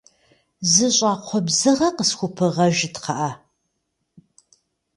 Зы щӏакхъуэ бзыгъэ къысхупыгъэжыт, кхъыӏэ.